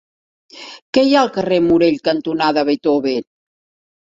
Què hi ha al carrer Morell cantonada Beethoven?